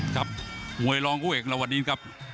ครับมวยรองคู่เอกเราวันนี้ครับ